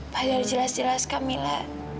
padahal jelas jelas kak mila